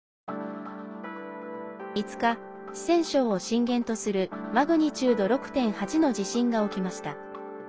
５日、四川省を震源とするマグニチュード６．８の地震が起きました。